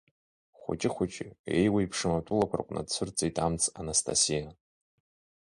Хәыҷы-хәыҷы, еиуеиԥшым атәылақәа рҟны дцәырҵит амц Анастасиа.